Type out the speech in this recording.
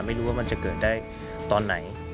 ไม่รู้ว่ามันจะเกิดได้ตอนไหน